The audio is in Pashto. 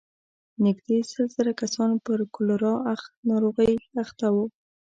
نږدې سل زره کسان پر کولرا ناروغۍ اخته وو.